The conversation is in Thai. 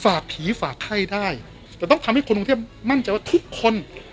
ผีฝากไข้ได้แต่ต้องทำให้คนกรุงเทพมั่นใจว่าทุกคน